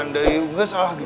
nggak salah gitu